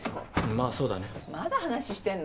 ・まあそうだね。まだ話してんの？